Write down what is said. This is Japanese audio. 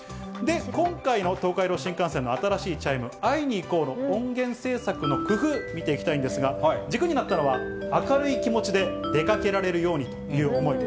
今回の東海道新幹線の新しいチャイム、会いにいこうの音源制作の工夫、見ていきたいんですが、軸になったのは、明るい気持ちで出かけられるようにという思い。